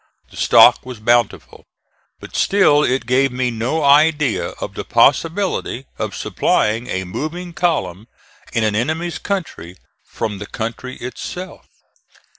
The stock was bountiful, but still it gave me no idea of the possibility of supplying a moving column in an enemy's country from the country itself.